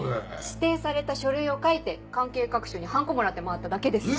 指定された書類を書いて関係各所にハンコもらって回っただけです。